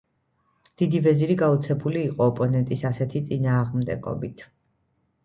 დიდი ვეზირი გაოცებული იყო ოპონენტის ასეთი წინააღმდეგობით.